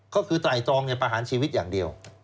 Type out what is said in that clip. ก็คือไตรตองประหารชีวิตอย่างเดียว